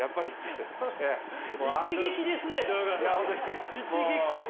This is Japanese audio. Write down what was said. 一撃ですね！